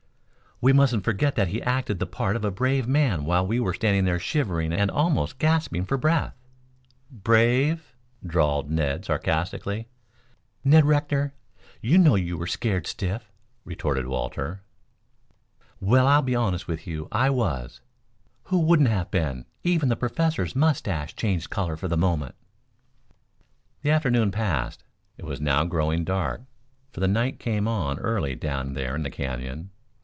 "We mustn't forget that he acted the part of a brave man while we were standing there shivering and almost gasping for breath." "Brave?" drawled Ned sarcastically. "Ned Rector, you know you were scared stiff," retorted Walter. "Well, I'll be honest with you, I was. Who wouldn't have been? Even the Professor's mustache changed color for the moment." The afternoon passed. It was now growing dark, for the night came on early down there in the Canyon.